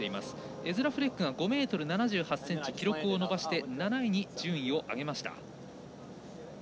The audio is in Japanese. エズラ・フレックが５ｍ７８ｃｍ記録を伸ばして７位に順位を上げました。